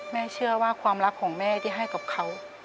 เชื่อว่าความรักของแม่ที่ให้กับเขา